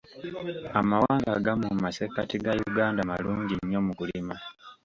Amawanga agamu mu masekkati ga Uganda malungi nnyo mu kulima.